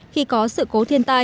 khi có sự cố thiên tai